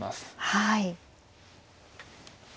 はい。